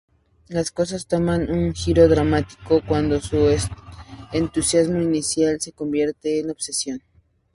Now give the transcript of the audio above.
Las cosas toman un giro dramático cuando su entusiasmo inicial se convierte en obsesión.